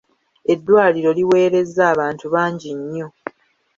Eddwaliro liweereza abantu bangi nnyo